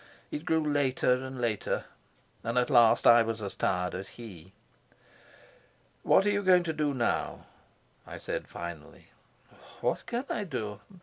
It grew later and later, and at last I was as tired as he. "What are you going to do now?" I said finally. "What can I do?